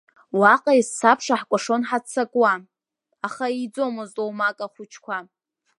Уаҟа ес-сабша ҳкәашон ҳаццакуа, аха ииӡомызт оумак ахәыҷқәа.